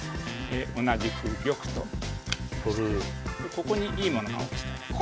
ここにいいものが落ちてます。